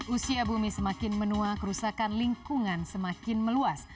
usia bumi semakin menua kerusakan lingkungan semakin meluas